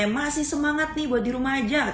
masih semangat nih buat di rumah aja